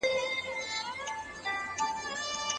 ما پرون په ارام ذهن خپلي لیکني اصلاح کړې.